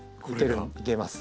いけます。